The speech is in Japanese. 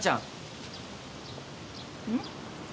うん？